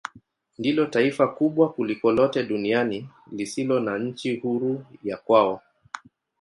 Ndilo taifa kubwa kuliko lote duniani lisilo na nchi huru ya kwao.